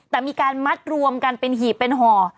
แต่มีการมัดรวมกันเป็นหีบเป็นห่อ